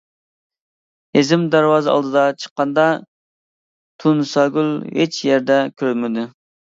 ھېزىم دەرۋازا ئالدىغا چىققاندا تۇنساگۈل ھېچيەردە كۆرۈنمىدى.